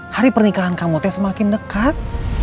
hari pernikahan kamote semakin dekat